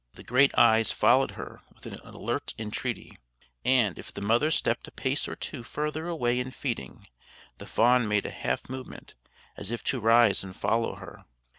The great eyes followed her with an alert entreaty; and, if the mother stepped a pace or two further away in feeding, the fawn made a half movement, as if to rise and follow her.